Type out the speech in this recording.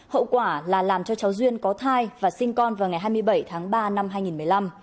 hậu quả là làm cho cháu duyên có thai và sinh con vào ngày hai mươi bảy tháng ba năm hai nghìn một mươi năm